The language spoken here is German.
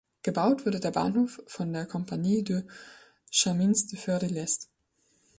Gebaut wurde der Bahnhof von der Compagnie des chemins de fer de l’Est.